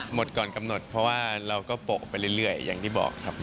หมดก่อนกำหนดเพราะว่าเราก็โปะไปเรื่อยอย่างที่บอกครับ